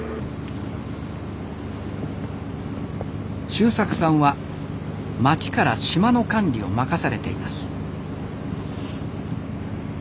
修策さんは町から島の管理を任されています。